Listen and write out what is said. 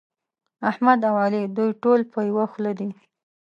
احمد او علي دوی ټول په يوه خوله دي.